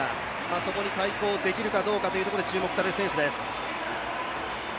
そこに対抗できるかどうかというところで注目される選手です。